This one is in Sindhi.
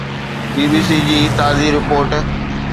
بي بي سي جي تازي رپورٽ